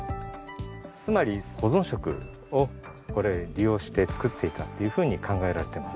つまり保存食をこれを利用して作っていたっていうふうに考えられてます。